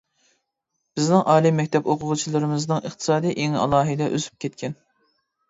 بىزنىڭ ئالىي مەكتەپ ئوقۇغۇچىلىرىمىزنىڭ ئىقتىساد ئېڭى ئالاھىدە ئۆسۈپ كەتكەن.